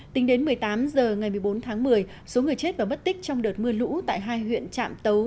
tính đến một mươi tám h ngày một mươi bốn tháng một mươi số người chết và mất tích trong đợt mưa lũ tại hai huyện trạm tấu